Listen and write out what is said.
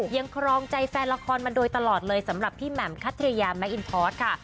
ครองใจแฟนละครมาโดยตลอดเลยสำหรับพี่แหม่มคัทยาแมคอินทอร์สค่ะ